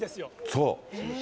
そう。